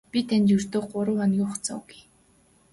Би чамд ердөө гурав хоногийн хугацаа өгье.